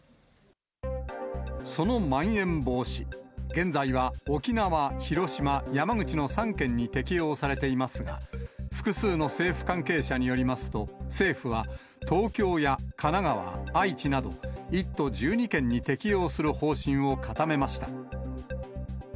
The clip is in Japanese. そのまん延防止、現在は沖縄、広島、山口の３県に適用されていますが、複数の政府関係者によりますと、政府は、東京や神奈川、愛知など、１都１２県に適用する方針を固めました。